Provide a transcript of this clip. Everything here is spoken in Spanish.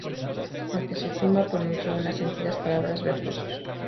Ante su tumba pronunció unas sentidas palabras Berlioz.